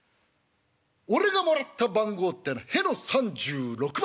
俺がもらった番号ってのはへの３６番。